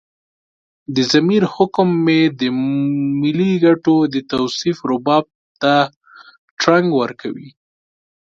د ضمیر حکم مې د ملي ګټو د توصيف رباب ته ترنګ ورکوي.